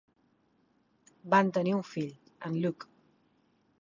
Van tenir un fill, en Luke.